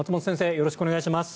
よろしくお願いします。